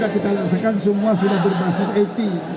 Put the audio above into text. saya rasa kan semua sudah berbasis it